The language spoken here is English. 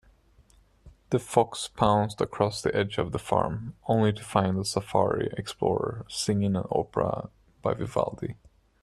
The fox pounced across the edge of the farm, only to find a safari explorer singing an opera by Vivaldi.